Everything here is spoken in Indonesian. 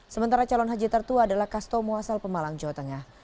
sementara calon haji tertua adalah kastomo asal pemalang jawa tengah